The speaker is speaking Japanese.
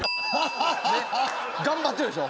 ねえ頑張ってるでしょ。